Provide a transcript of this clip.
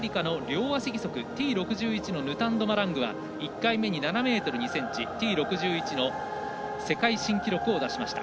さらにヌタンド・マラングは１回目に７ｍ２ｃｍＴ６１の世界新記録を出しました。